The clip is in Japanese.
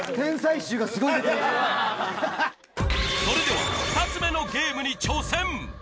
それでは２つ目のゲームに挑戦！